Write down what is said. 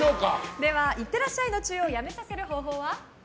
では、いってらっしゃいのチューをやめさせる方法は？